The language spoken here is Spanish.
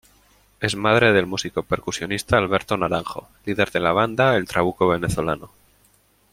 Es madre del músico percusionista Alberto Naranjo, líder de la banda El Trabuco Venezolano.